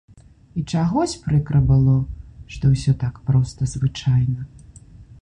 І чагось прыкра было, што ўсё так проста, звычайна.